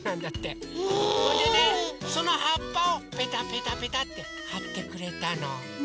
それでねそのはっぱをペタペタペタってはってくれたの。